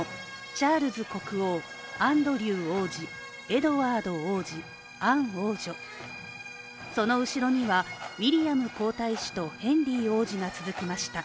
チャールズ国王アンドリュー王子、エドワード王子、アン王女、その後ろにはウィリアム皇太子とヘンリー王子が続きました。